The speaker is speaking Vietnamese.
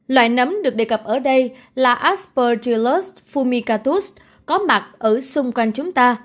loại nấm được đề cập ở đây là aspergillus fumicatus có mặt ở xung quanh chúng ta